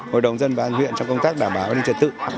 hội đồng dân và an huyện trong công tác đảm bảo văn hóa trật tự